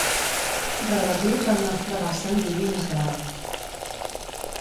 Relatius al nostre vas sanguini més gran.